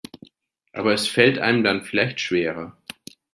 Aber es fällt einem dann vielleicht schwerer.